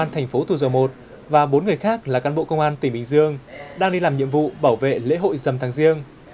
tp thu dầu một và bốn người khác là cán bộ công an tỉnh bình dương đang đi làm nhiệm vụ bảo vệ lễ hội dầm tháng riêng